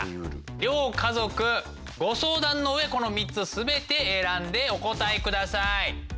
両家族ご相談の上この３つ全て選んでお答えください。